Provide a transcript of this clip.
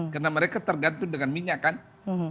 karena mereka tergantung dengan minyak kan untuk mengekspor